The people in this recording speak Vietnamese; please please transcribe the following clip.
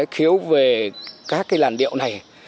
khiếu về các cái làn điệu này